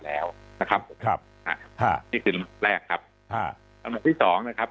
แล้วนะครับนะฮะนี่คือแรกครับสำหรับวิตสองนะครับ